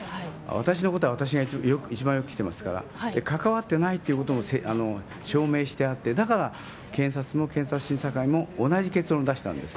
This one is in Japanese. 私のことは私が一番よく知ってますから、関わってないということを証明してあって、だから、検察も、検察審査会も、同じ結論を出したわけです。